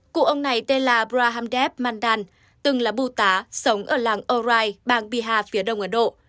cụ ông này tên là brahamdev mandan từng là bu tả sống ở làng orai bang bihar phía đông ấn độ